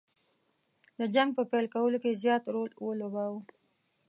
د جنګ په پیل کولو کې زیات رول ولوباوه.